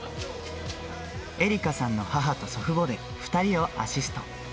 絵里香さんの母と祖父母で２人をアシスト。